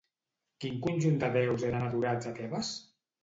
Quin conjunt de déus eren adorats a Tebes?